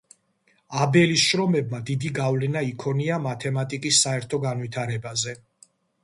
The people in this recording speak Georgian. აბელის შრომებმა დიდი გავლენა იქონია მათემატიკის საერთო განვითარებაზე.